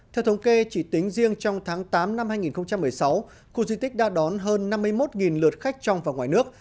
theo thống kê chỉ tính riêng trong tháng tám năm hai nghìn một mươi sáu khu di tích đã đón hơn năm mươi một lượt khách trong và ngoài nước